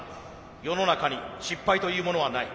世の中に失敗というものはない。